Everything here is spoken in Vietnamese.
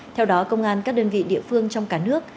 theo đó công an các đơn vị địa phương trong cả nước